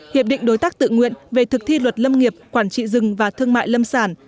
hiệp định đối tác tự nguyện về thực thi luật lâm nghiệp quản trị rừng và thương mại lâm sản